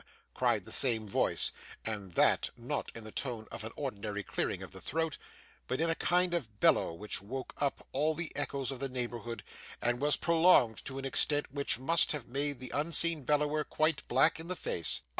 cried the same voice; and that, not in the tone of an ordinary clearing of the throat, but in a kind of bellow, which woke up all the echoes in the neighbourhood, and was prolonged to an extent which must have made the unseen bellower quite black in the face.